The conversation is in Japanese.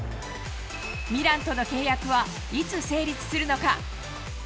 ミランとの契約はいつ成立するのか。